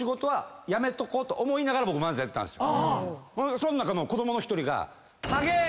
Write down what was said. そん中の子供の１人が。